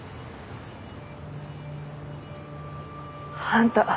あんた。